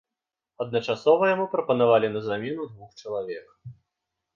Адначасова яму прапанавалі на замену двух чалавек.